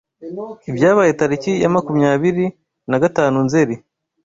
Ibyabaye tariki ya makumyabiri nagatanu Nzeri